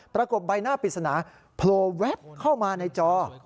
ปรากฏใบหน้าปิดสนาโพลวัตเว็บเข้ามาในจอ